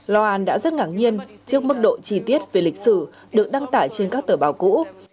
loan đã rất ngạc nhiên trước mức độ chi tiết về lịch sử được đăng tải trên các tờ báo cũ